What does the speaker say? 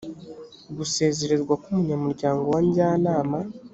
gusezererwa k umunyamuryango wa njyanama